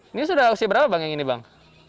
ini sudah usia berapa bang yang ini bang